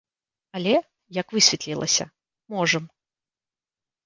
Але, як высветлілася, можам!